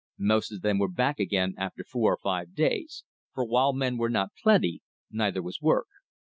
Most of them were back again after four or five days, for, while men were not plenty, neither was work.